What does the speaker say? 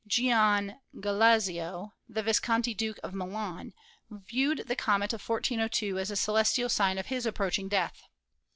Gian Galeazzo, the Visconti Duke of Milan, viewed the comet of 1402 as a celestial sign of his approching death.